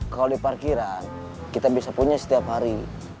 kalau di parkiran kita bisa punya setiap hari